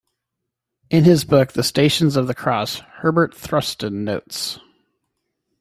In his book, "The Stations of the Cross", Herbert Thurston notes: "...